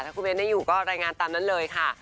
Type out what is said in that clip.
ถ้าคุณเบ้นได้อยู่ก็รายงานตามนั้นเลยค่ะ